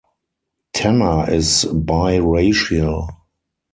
Tanner is biracial.